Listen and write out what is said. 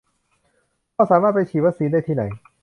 ว่าสามารถไปฉีดวัคซีนได้ที่ไหน